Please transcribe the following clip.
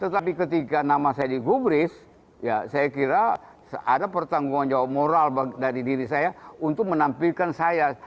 tetapi ketika nama saya digubris ya saya kira ada pertanggung jawab moral dari diri saya untuk menampilkan saya